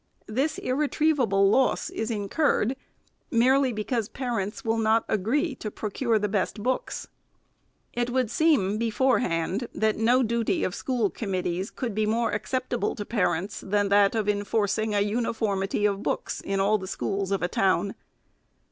This irretrievable loss is incurred, merely because parents will not agree to pro cure the best books. It would seem, beforehand, that no duty of school com mittees could be more acceptable to parents, than that of enforcing a uniformity of books in all the schools of a town.